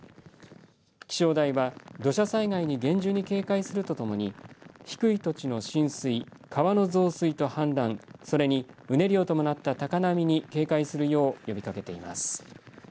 気象台は土砂災害に厳重に警戒するとともに低い土地の浸水、川の増水と氾濫それにうねりを伴った高波に警戒するよう呼びかけています。